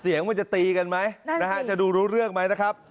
เสียงมันจะตีกันไหมนะฮะจะดูรู้เรื่องไหมนะครับ